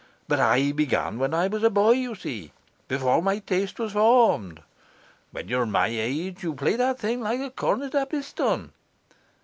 But I began when I was a boy, you see, before my taste was formed. When you're my age you'll play that thing like a cornet a piston.